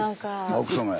あ奥様や。